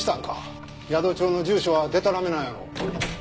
宿帳の住所はでたらめなんやろ？